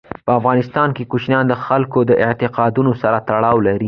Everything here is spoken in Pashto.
په افغانستان کې کوچیان د خلکو د اعتقاداتو سره تړاو لري.